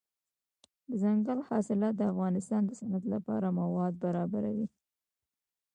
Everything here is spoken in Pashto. دځنګل حاصلات د افغانستان د صنعت لپاره مواد برابروي.